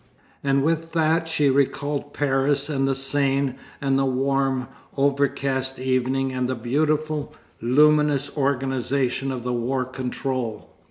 And with that she recalled Paris and the Seine and the warm, overcast evening and the beautiful, luminous organisation of the War Control....